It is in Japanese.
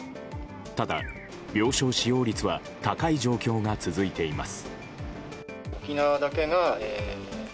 ただ、病床使用率は高い状況が続いています。